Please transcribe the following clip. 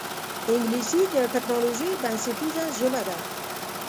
انګلیسي د ټکنالوجۍ بنسټیزه ژبه ده